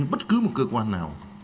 bất cứ một cơ quan nào